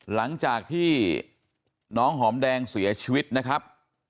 หลังจากที่น้องหอมแดงเสียชีวิตนะครับ